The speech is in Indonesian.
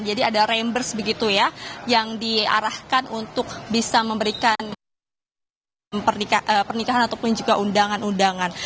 jadi ada reimburse begitu ya yang diarahkan untuk bisa memberikan pernikahan ataupun juga undangan undangan